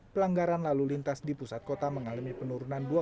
pelanggaran lalu lintas di pusat kota mengalami penurunan